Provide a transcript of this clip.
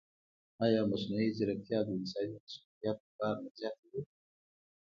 ایا مصنوعي ځیرکتیا د انساني مسؤلیت بار نه زیاتوي؟